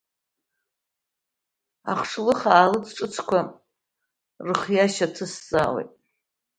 Ахшлых аалыҵ ҿыцқәа рыхиашьа ҭысҵаауеит…